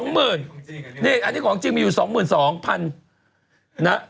อันนี้ของจริงมีอยู่๒๒๐๐๐นะ